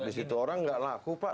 di situ orang nggak laku pak